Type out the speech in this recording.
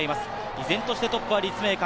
依然としてトップは立命館。